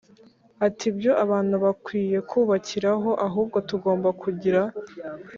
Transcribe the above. atari byo abantu bakwiye kubakiraho ; ahubwo tugomba kugira